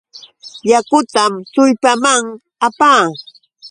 Yakutam tullpaaman apaa.